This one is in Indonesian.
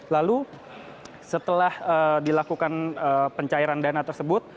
lalu setelah dilakukan pencairan dana tersebut